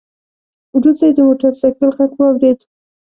وروسته يې د موټر سايکل غږ واورېد.